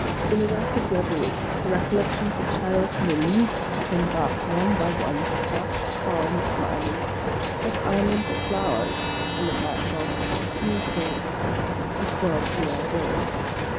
In a rapid reverie, the recollections of childhood and youth came back one by one, soft, calm, smiling, like islands of flowers on the black gulf of confused thoughts which whirled through my brain.